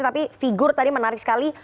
tapi figur tadi menarik sekali